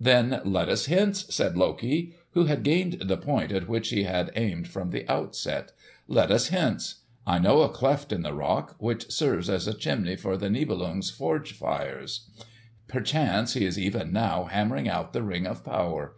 "Then let us hence," said Loki, who had gained the point at which he had aimed from the outset. "Let us hence. I know a cleft in the rock, which serves as a chimney for the Nibelung's forge fires. Perchance he is even now hammering out the Ring of Power.